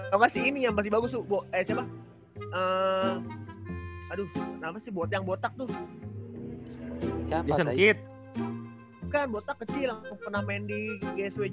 mendingan dia main tuh delonte west